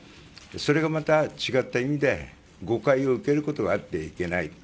それがまた違った意味で誤解を受けることがあってはいけない。